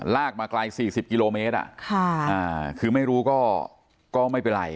มาไกล๔๐กิโลเมตรคือไม่รู้ก็ไม่เป็นไร